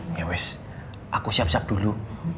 ya wes aku siap siap dulu